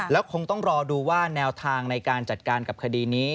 แล้วคงต้องรอดูว่าแนวทางในการจัดการกับคดีนี้